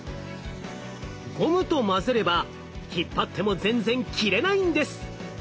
ゴムと混ぜれば引っ張っても全然切れないんです。